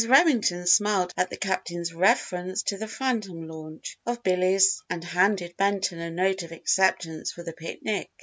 Remington smiled at the Captain's reference to the "phantom launch" of Billy's and handed Benton a note of acceptance for the picnic.